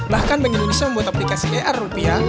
bahkan bank indonesia membuat aplikasi er rupiah